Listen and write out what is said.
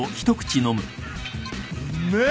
うめえ！